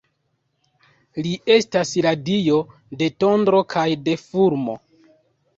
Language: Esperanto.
Li estas la dio de tondro kaj de fulmo.